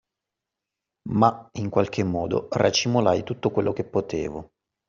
Ma, in qualche modo, racimolai tutto quello che potevo.